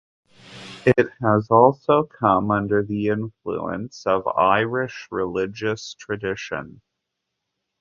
It has also come under the influence of Irish religious tradition.